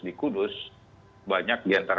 di kudus banyak diantara